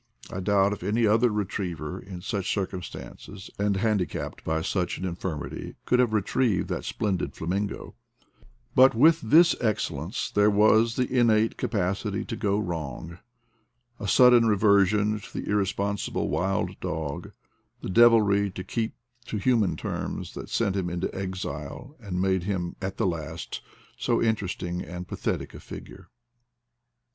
I doubt if any other retriever, in such cir cumstances and handicapped by such an infirm ity, could have retrieved that splendid flamingo; but with this excellence there was the innate ca pacity to go wrong, a sudden reversion to the irresponsible wild dog — the devilry, to keep to human terms, that sent him into exile and made him at the last so interesting and pathetic a figure.